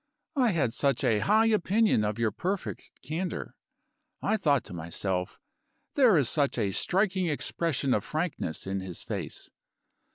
"I had such a high opinion of your perfect candor. I thought to myself: There is such a striking expression of frankness in his face.